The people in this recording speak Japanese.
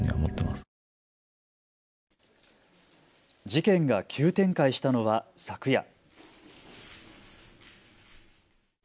事件が急展開したのは昨夜。